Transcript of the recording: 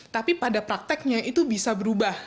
tapi pada prakteknya itu bisa berubah